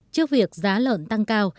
trước việc giá lợn tăng cao